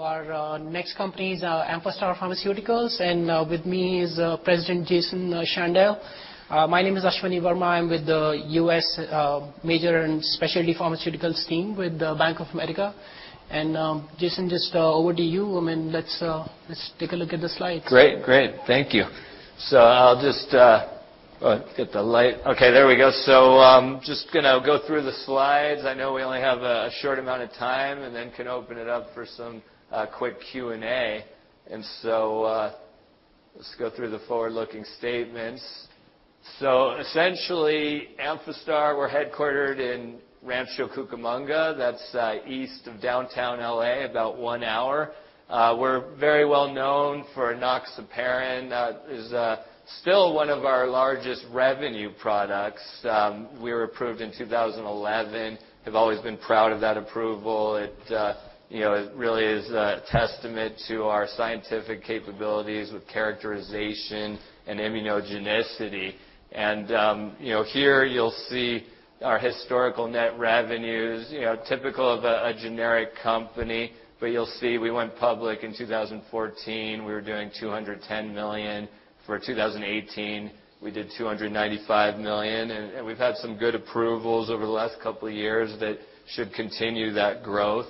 Our next company is Amphastar Pharmaceuticals, and with me is President Jason Shandell. My name is Ashwani Verma. I'm with the U.S. Major and Specialty Pharmaceuticals team with Bank of America. And Jason, just over to you, and let's take a look at the slides. Great, great. Thank you. So I'll just get the light. Okay, there we go. So I'm just going to go through the slides. I know we only have a short amount of time, and then can open it up for some quick Q&A. And so let's go through the forward-looking statements. So essentially, Amphastar, we're headquartered in Rancho Cucamonga. That's east of downtown LA, about one hour. We're very well known for enoxaparin. It's still one of our largest revenue products. We were approved in 2011. We've always been proud of that approval. It really is a testament to our scientific capabilities with characterization and immunogenicity. And here you'll see our historical net revenues, typical of a generic company. But you'll see we went public in 2014. We were doing $210 million. For 2018, we did $295 million. We've had some good approvals over the last couple of years that should continue that growth.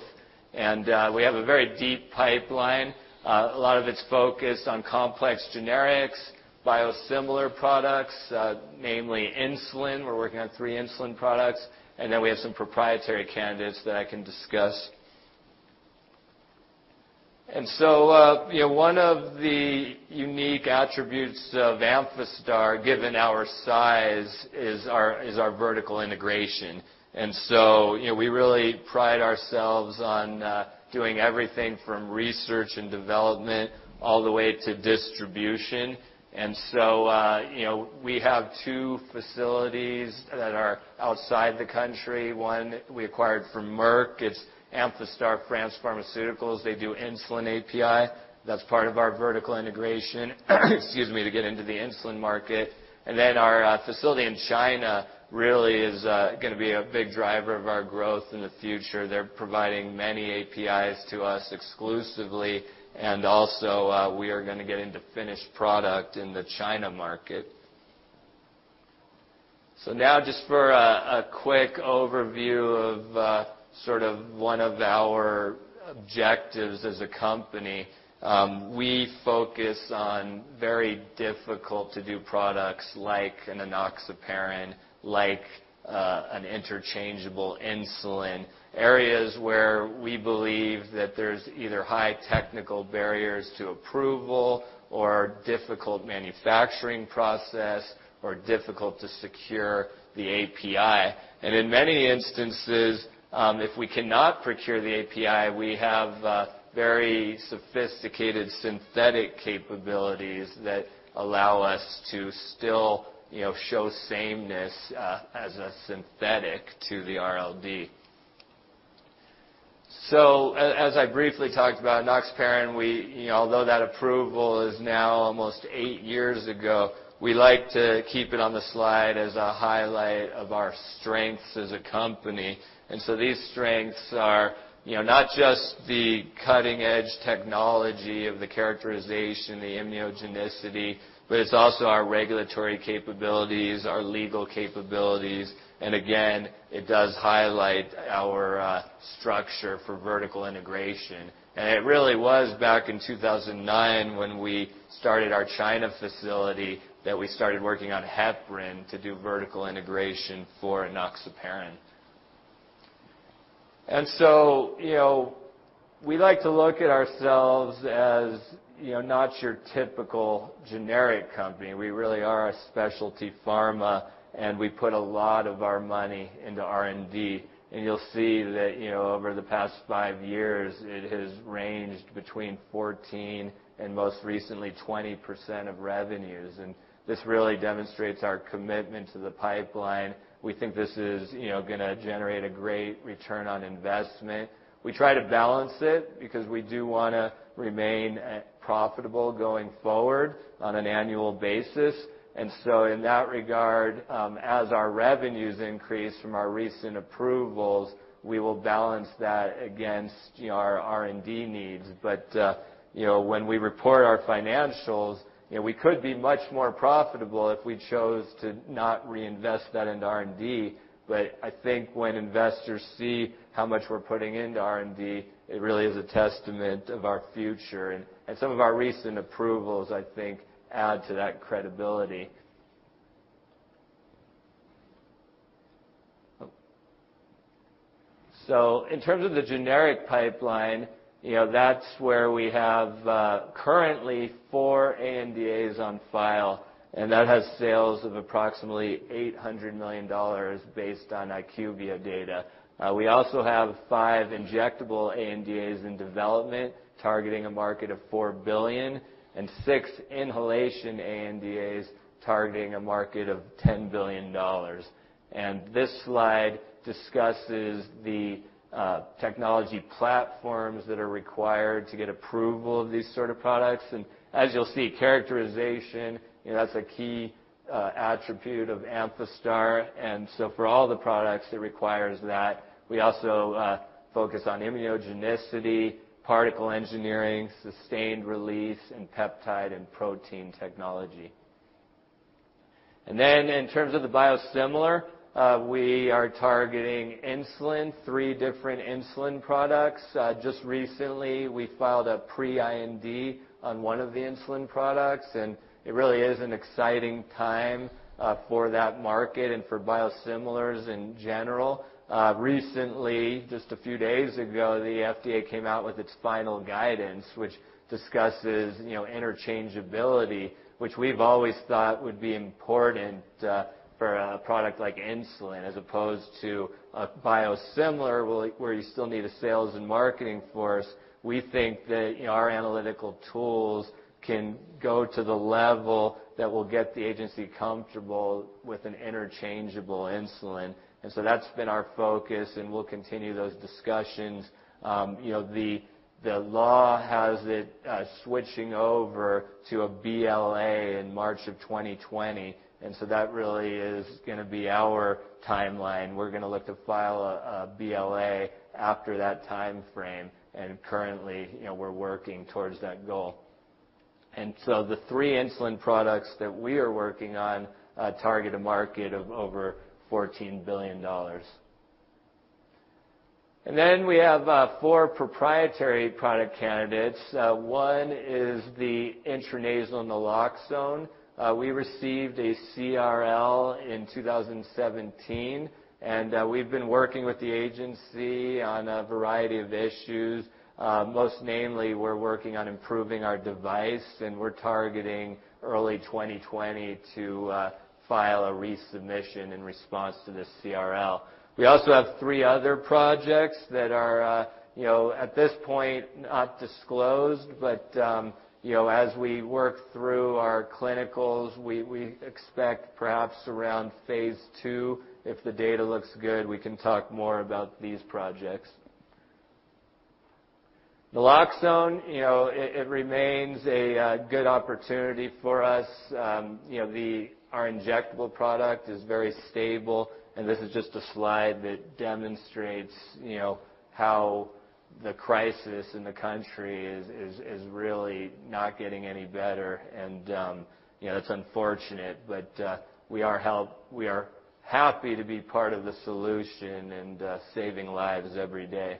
We have a very deep pipeline. A lot of it's focused on complex generics, biosimilar products, namely insulin. We're working on three insulin products. Then we have some proprietary candidates that I can discuss. One of the unique attributes of Amphastar, given our size, is our vertical integration. We really pride ourselves on doing everything from research and development all the way to distribution. We have two facilities that are outside the country. One we acquired from Merck. It's Amphastar France Pharmaceuticals. They do insulin API. That's part of our vertical integration, excuse me, to get into the insulin market. Our facility in China really is going to be a big driver of our growth in the future. They're providing many APIs to us exclusively. And also we are going to get into finished product in the China market. So now just for a quick overview of sort of one of our objectives as a company, we focus on very difficult-to-do products like an enoxaparin, like an interchangeable insulin. Areas where we believe that there's either high technical barriers to approval, or difficult manufacturing process, or difficult to secure the API. And in many instances, if we cannot procure the API, we have very sophisticated synthetic capabilities that allow us to still show sameness as a synthetic to the RLD. So as I briefly talked about enoxaparin, although that approval is now almost eight years ago, we like to keep it on the slide as a highlight of our strengths as a company. These strengths are not just the cutting-edge technology of the characterization, the immunogenicity, but it's also our regulatory capabilities, our legal capabilities. Again, it does highlight our structure for vertical integration. It really was back in 2009 when we started our China facility that we started working on heparin to do vertical integration for enoxaparin. We like to look at ourselves as not your typical generic company. We really are a specialty pharma, and we put a lot of our money into R&D. You'll see that over the past five years, it has ranged between 14% and 20% of revenues. This really demonstrates our commitment to the pipeline. We think this is going to generate a great return on investment. We try to balance it because we do want to remain profitable going forward on an annual basis. And so in that regard, as our revenues increase from our recent approvals, we will balance that against our R&D needs. But when we report our financials, we could be much more profitable if we chose to not reinvest that into R&D. But I think when investors see how much we're putting into R&D, it really is a testament of our future. And some of our recent approvals, I think, add to that credibility. So in terms of the generic pipeline, that's where we have currently four ANDAs on file, and that has sales of approximately $800 million based on IQVIA data. We also have five injectable ANDAs in development targeting a market of $4 billion, and six inhalation ANDAs targeting a market of $10 billion. And this slide discusses the technology platforms that are required to get approval of these sort of products. As you'll see, characterization, that's a key attribute of Amphastar. So for all the products, it requires that. We also focus on immunogenicity, particle engineering, sustained release, and peptide and protein technology. Then in terms of the biosimilar, we are targeting insulin, three different insulin products. Just recently, we filed a pre-IND on one of the insulin products. It really is an exciting time for that market and for biosimilars in general. Recently, just a few days ago, the FDA came out with its final guidance, which discusses interchangeability, which we've always thought would be important for a product like insulin as opposed to a biosimilar where you still need a sales and marketing force. We think that our analytical tools can go to the level that will get the agency comfortable with an interchangeable insulin. And so that's been our focus, and we'll continue those discussions. The law has it switching over to a BLA in March of 2020. And so that really is going to be our timeline. We're going to look to file a BLA after that timeframe. And currently, we're working towards that goal. And so the three insulin products that we are working on target a market of over $14 billion. And then we have four proprietary product candidates. One is the intranasal naloxone. We received a CRL in 2017, and we've been working with the agency on a variety of issues. Most namely, we're working on improving our device, and we're targeting early 2020 to file a resubmission in response to this CRL. We also have three other projects that are at this point not disclosed, but as we work through our clinicals, we expect perhaps around phase two, if the data looks good, we can talk more about these projects. Naloxone, it remains a good opportunity for us. Our injectable product is very stable. This is just a slide that demonstrates how the crisis in the country is really not getting any better. It's unfortunate, but we are happy to be part of the solution and saving lives every day.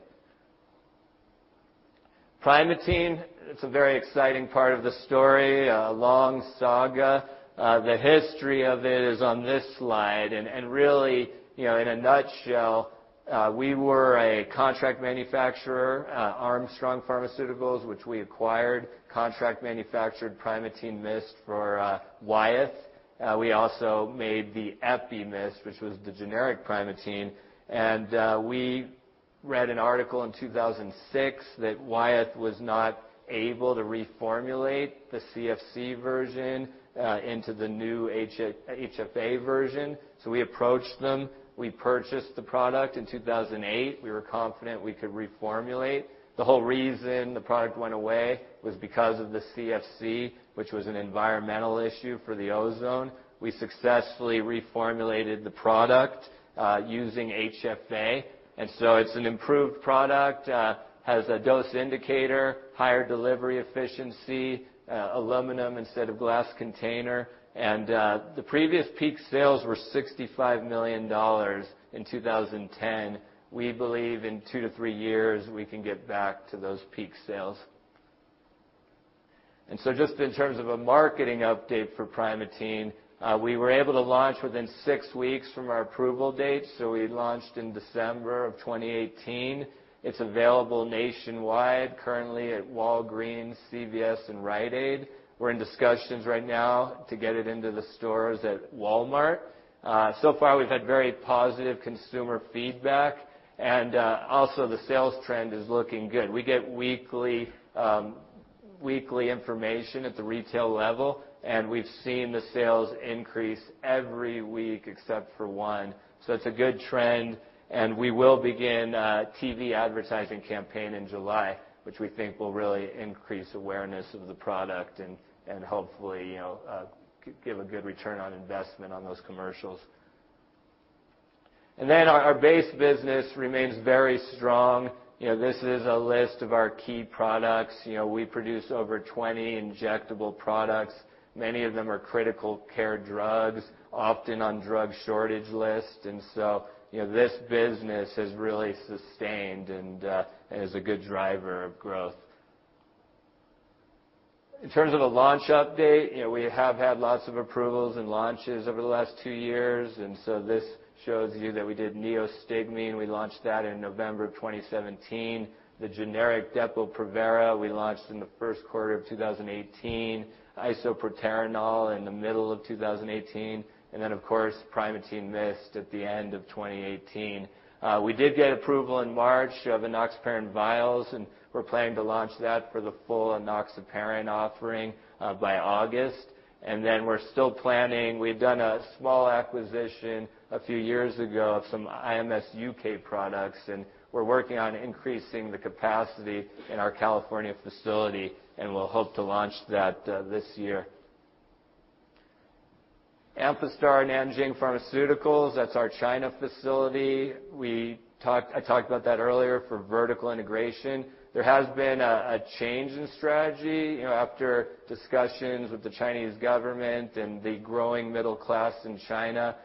Primatene Mist, it's a very exciting part of the story, a long saga. The history of it is on this slide. Really, in a nutshell, we were a contract manufacturer, Armstrong Pharmaceuticals, which we acquired. We contract manufactured Primatene Mist for Wyeth. We also made the EpiMist, which was the generic Primatene Mist. We read an article in 2006 that Wyeth was not able to reformulate the CFC version into the new HFA version. So we approached them. We purchased the product in 2008. We were confident we could reformulate. The whole reason the product went away was because of the CFC, which was an environmental issue for the ozone. We successfully reformulated the product using HFA. And so it's an improved product, has a dose indicator, higher delivery efficiency, aluminum instead of glass container. And the previous peak sales were $65 million in 2010. We believe in two to three years, we can get back to those peak sales. And so just in terms of a marketing update for Primatene, we were able to launch within six weeks from our approval date. So we launched in December of 2018. It's available nationwide, currently at Walgreens, CVS, and Rite Aid. We're in discussions right now to get it into the stores at Walmart. So far, we've had very positive consumer feedback, and also the sales trend is looking good. We get weekly information at the retail level, and we've seen the sales increase every week except for one, so it's a good trend, and we will begin a TV advertising campaign in July, which we think will really increase awareness of the product and hopefully give a good return on investment on those commercials, and then our base business remains very strong. This is a list of our key products. We produce over 20 injectable products. Many of them are critical care drugs, often on drug shortage lists, and so this business has really sustained and is a good driver of growth. In terms of a launch update, we have had lots of approvals and launches over the last two years, and so this shows you that we did neostigmine. We launched that in November of 2017. The generic Depo-Provera, we launched in the first quarter of 2018. Isoproterenol in the middle of 2018, and then, of course, Primatene Mist at the end of 2018. We did get approval in March of enoxaparin vials, and we're planning to launch that for the full enoxaparin offering by August, and then we're still planning. We've done a small acquisition a few years ago of some IMS UK products, and we're working on increasing the capacity in our California facility, and we'll hope to launch that this year. Amphastar Nanjing Pharmaceuticals, that's our China facility. I talked about that earlier for vertical integration. There has been a change in strategy after discussions with the Chinese government and the growing middle class in China,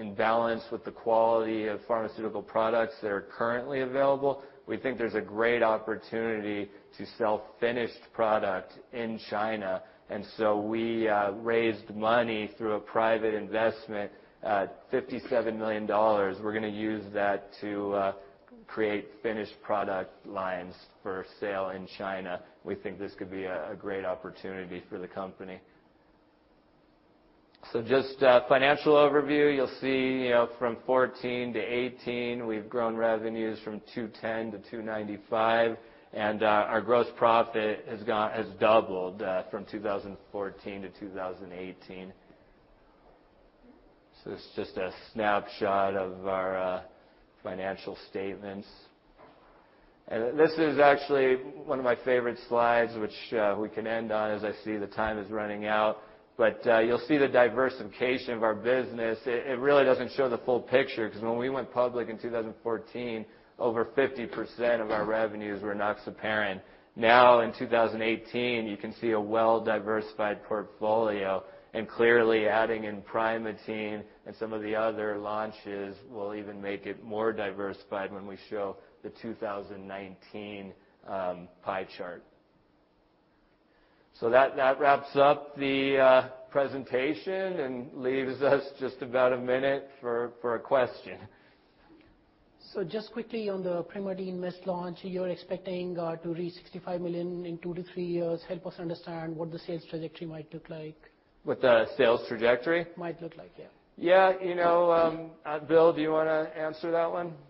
in balance with the quality of pharmaceutical products that are currently available. We think there's a great opportunity to sell finished product in China. And so we raised money through a private investment, $57 million. We're going to use that to create finished product lines for sale in China. We think this could be a great opportunity for the company. So just financial overview, you'll see from 2014 to 2018, we've grown revenues from 210 to 295, and our gross profit has doubled from 2014 to 2018. So it's just a snapshot of our financial statements. And this is actually one of my favorite slides, which we can end on as I see the time is running out. But you'll see the diversification of our business. It really doesn't show the full picture because when we went public in 2014, over 50% of our revenues were enoxaparin. Now, in 2018, you can see a well-diversified portfolio. And clearly, adding in Primatene and some of the other launches will even make it more diversified when we show the 2019 pie chart. So that wraps up the presentation and leaves us just about a minute for a question. So just quickly on the Primatene Mist launch, you're expecting to reach $65 million in two to three years. Help us understand what the sales trajectory might look like. What is the sales trajectory? Might look like, yeah. Yeah. Bill, do you want to answer that one?